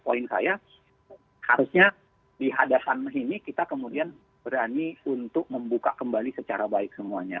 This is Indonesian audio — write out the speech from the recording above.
poin saya harusnya di hadapan ini kita kemudian berani untuk membuka kembali secara baik semuanya